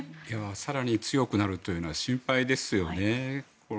更に強くなるというのは心配ですよね。